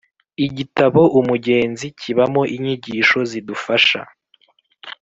Igitabo umugenzi kibamo inyigisho zidufasha